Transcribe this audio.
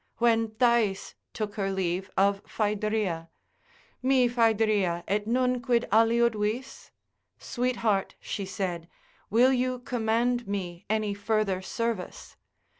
When Thais took her leave of Phaedria,—mi Phaedria, et nunquid aliud vis? Sweet heart (she said) will you command me any further service?